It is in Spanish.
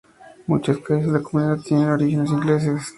Muchas calles de la comunidad tienen origines ingleses.